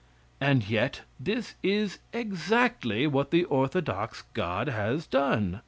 And yet this is exactly what the orthodox God has done.